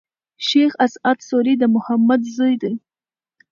شېخ اسعد سوري د محمد زوی دﺉ.